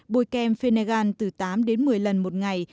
bôi kem phenergan từ tám một mươi lần một ngày